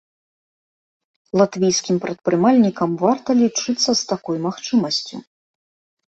Латвійскім прадпрымальнікам варта лічыцца з такой магчымасцю.